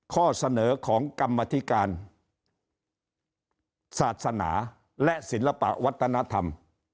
ข้อเสนอของกรรมธิการศาสนาและศิลปะวัฒนธรรม